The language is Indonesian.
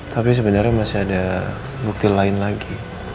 tapi sebenarnya masih ada bukti lain lagi